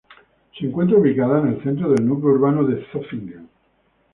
Se encuentra ubicada en el centro del núcleo urbano de Zofingen.